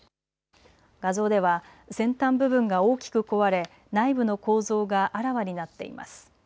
画像では先端部分が大きく壊れ内部の構造があらわになっています。